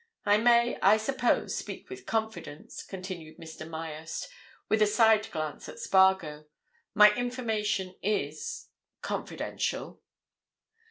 I may, I suppose, speak with confidence," continued Mr. Myerst, with a side glance at Spargo. "My information is—confidential."